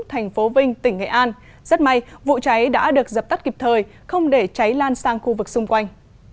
thành phố vinh tỉnh nghệ an rất may vụ cháy đã được dập tắt kịp thời không để cháy lan sang khu vực xung quanh